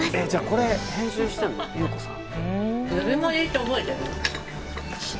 これ編集してるのゆうこさん。